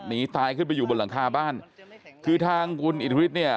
หนีตายขึ้นไปอยู่บนหลังคาบ้านคือทางคุณอิทธิฤทธิเนี่ย